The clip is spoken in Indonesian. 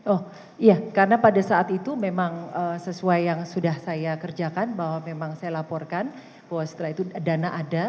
oh iya karena pada saat itu memang sesuai yang sudah saya kerjakan bahwa memang saya laporkan bahwa setelah itu dana ada